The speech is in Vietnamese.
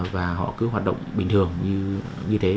và họ cứ hoạt động bình thường như thế